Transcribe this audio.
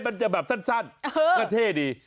มันจะแบบสั้นก็เท่ดี